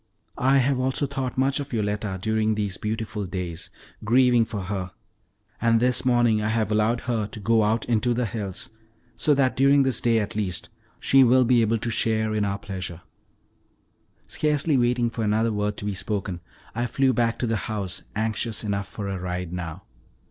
I have also thought much of Yoletta during these beautiful days, grieving for her, and this morning I have allowed her to go out into the hills, so that during this day, at least, she will be able to share in our pleasure." Scarcely waiting for another word to be spoken, I flew back to the house, anxious enough for a ride now.